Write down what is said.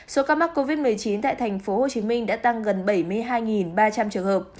số ca mắc covid một mươi chín tại tp hcm đã tăng gần bảy mươi hai ba trăm linh trường hợp